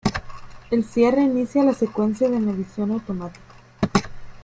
El cierre inicia la secuencia de medición automática.